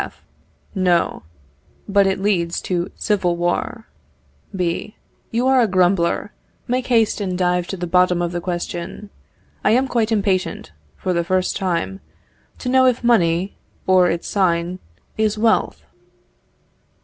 F. No, but it leads to civil war. B. You are a grumbler. Make haste and dive to the bottom of the question. I am quite impatient, for the first time, to know if money (or its sign) is wealth.